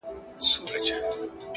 نوی تصویر نسته پر زړو به ګوزاره سره کوو